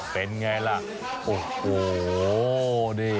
เป็นไงล่ะอ้าวโหดี